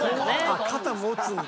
［あっ肩持つんだ］